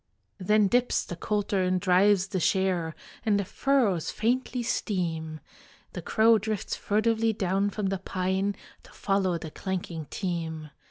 Then dips the coulter and drives the share, And the furrows faintly steam. The crow drifts furtively down from the pine To follow the clanking team.